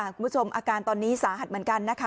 คุณผู้ชมอาการตอนนี้สาหัสเหมือนกันนะคะ